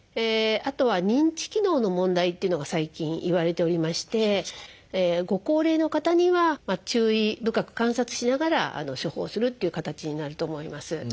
あとは認知機能の問題っていうのが最近いわれておりましてご高齢の方には注意深く観察しながら処方するっていう形になると思います。